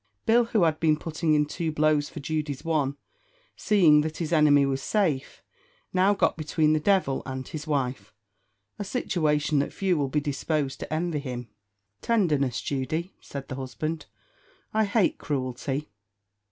Bill, who had been putting in two blows for Judy's one, seeing that his enemy was safe, now got between the devil and his wife, a situation that few will be disposed to envy him. "Tenderness, Judy," said the husband, "I hate cruelty.